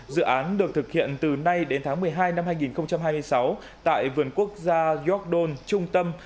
dự án được thực hiện từ nay đến tháng một mươi hai năm hai nghìn hai mươi sáu tại vườn quốc gia york don trung tâm